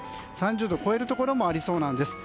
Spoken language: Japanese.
３０度超えるところもありそうなんです。